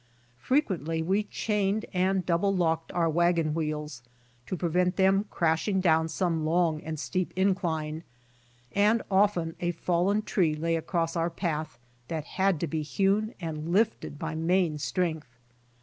Frequently we chained and double locked our wagon wheels to prevent them crashing down some long and steep incline, and often a fallen tree lay across our path that had to be hewn and lifted by main strength.